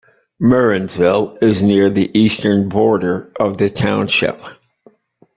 Murrinsville is near the eastern border of the township.